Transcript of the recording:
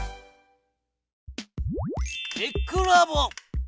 テックラボ。